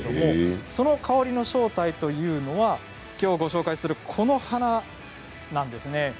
その正体というのがきょうご紹介するこの花なんです。